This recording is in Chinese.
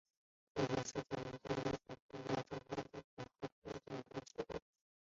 配合博莱霉素和顺铂使用电脉冲化疗治疗皮内和皮下肿瘤的研究已经进入临床阶段。